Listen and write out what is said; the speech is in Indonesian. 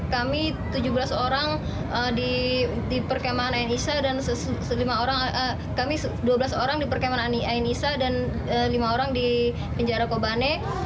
kami tujuh belas orang di perkembangan ain isa dan lima orang di penjara kobane